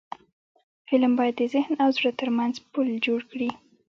فلم باید د ذهن او زړه ترمنځ پل جوړ کړي